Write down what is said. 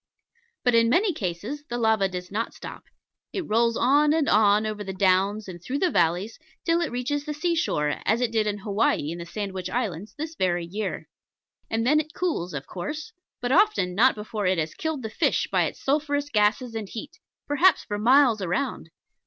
But in many a case the lava does not stop. It rolls on and on over the downs and through the valleys, till it reaches the sea shore, as it did in Hawaii in the Sandwich Islands this very year. And then it cools, of course; but often not before it has killed the fish by its sulphurous gases and heat, perhaps for miles around.